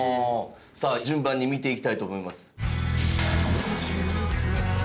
さあ順番に見ていきたいと思います。